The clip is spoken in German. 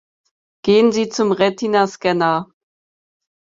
Gehen Sie zum Retina-Scanner.